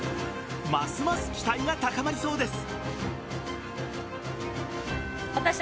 ますます期待が高まりそうです。